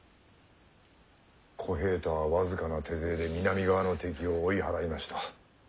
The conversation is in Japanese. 小平太は僅かな手勢で南側の敵を追い払いました。